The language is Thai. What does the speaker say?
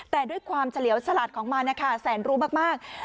แต่ด้วยความเฉลียวฉลาดของมันนะคะแสนรู้มาก